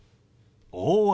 「大雨」。